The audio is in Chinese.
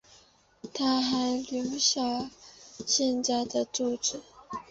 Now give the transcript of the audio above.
她还留下了现在的住址。